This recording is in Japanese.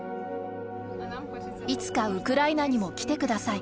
いつかウクライナにも来てください。